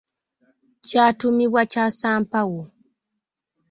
Kyatuumibwa Kyasampaawo.